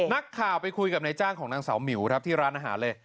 นักข่าวไปคุยกับนายจ้างของนางสาวหมิวครับที่ร้านอาหารเลย